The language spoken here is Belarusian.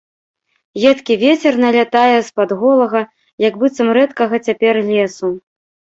Едкі вецер налятае з-пад голага, як быццам рэдкага цяпер, лесу.